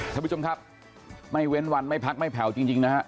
ท่านผู้ชมครับไม่เว้นวันไม่พักไม่แผ่วจริงนะฮะ